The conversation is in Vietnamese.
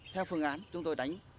theo phương án chúng tôi đánh